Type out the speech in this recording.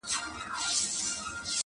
و تیارو ته مي له لمره پیغام راوړ،